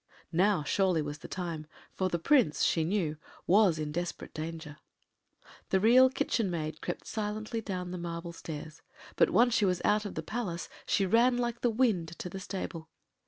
” Now surely was the time, for the Prince, she knew, was in desperate danger. The Real Kitchen Maid crept silently down the marble stairs, but once she was out of the Palace she ran like the wind to the stable.